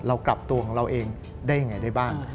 เรากลับตัวของเราเองได้ยังไงได้บ้าง